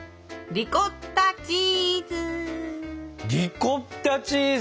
リコッタチーズ！